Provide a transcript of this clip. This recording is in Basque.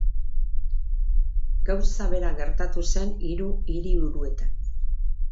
Gauza bera gertatu zen hiru hiriburuetan.